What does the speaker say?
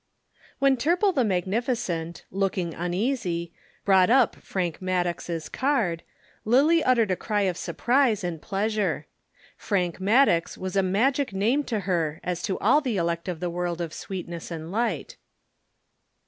When Turple the magnificent, looking uneasy, brought up Frank Maddox's card, Lillie uttered a cry of surprise and pleasure. Frank Maddox was a magic name to her as to all the elect of the world of sweetness and light.